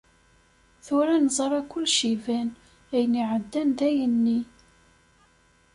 Tura neẓra kullec iban, ayen iɛeddan d ayenni.